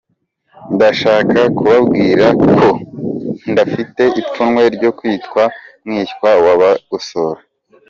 “ndashaka kubabwira ko ndafite ipfunwe ryo kwitwa mwishya wa Bagosora”